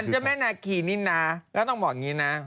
เจ้าแม่นาคีนี่นะแล้วต้องบอกอย่างนี้นะ